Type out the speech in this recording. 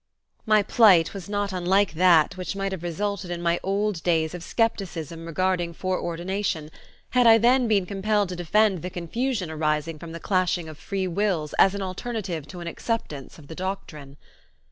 My plight was not unlike that which might have resulted in my old days of skepticism regarding foreordination, had I then been compelled to defend the confusion arising from the clashing of free wills as an alternative to an acceptance of the doctrine.